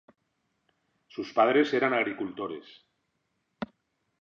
Sus padres eran agricultores.